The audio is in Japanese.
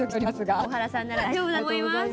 大原さんなら大丈夫だと思います。